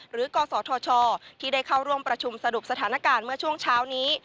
กศธชที่ได้เข้าร่วมประชุมสรุปสถานการณ์เมื่อช่วงเช้านี้